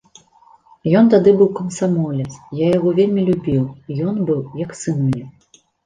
Ён тады быў камсамолец, я яго вельмі любіў, ён быў як сын мне.